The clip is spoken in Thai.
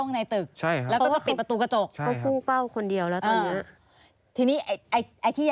ซึ่งตรงนั้นที่พี่ผู้ชายโดนเนี่ยคือเป็นชั้นบนป่ะฮะ